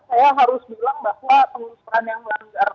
saya harus bilang bahwa pengusuran yang melanggar